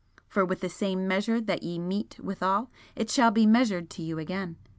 For with the same measure that ye mete withal, it shall be measured to you again.'